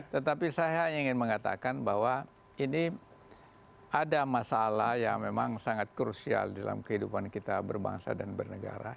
tetapi saya ingin mengatakan bahwa ini ada masalah yang memang sangat krusial dalam kehidupan kita berbangsa dan bernegara